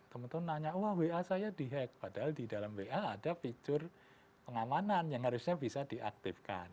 teman teman nanya wah wa saya di hack padahal di dalam wa ada fitur pengamanan yang harusnya bisa diaktifkan